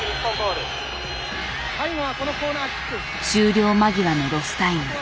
終了間際のロスタイム。